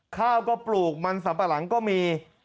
ข้าวก็ปลูกมันสัมปะหลังก็มี